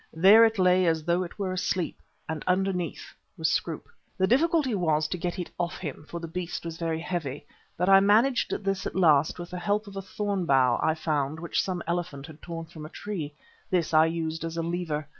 There it lay as though it were asleep, and underneath was Scroope. The difficulty was to get it off him, for the beast was very heavy, but I managed this at last with the help of a thorn bough I found which some elephant had torn from a tree. This I used as a lever.